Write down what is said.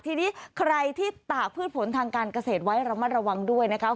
ทีนี้ใครที่ตากพืชผลทางการเกษตรไว้ระมัดระวังด้วยนะคะ